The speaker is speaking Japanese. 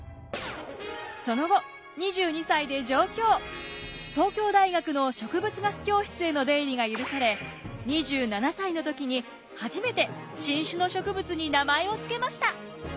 その後東京大学の植物学教室への出入りが許され２７歳の時に初めて新種の植物に名前を付けました。